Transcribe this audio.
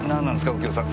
右京さん